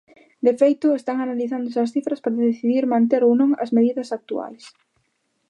De feito, están analizando esas cifras para decidir manter ou non as medidas actuais.